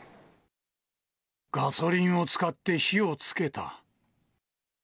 ガソリンを使って火をつけた。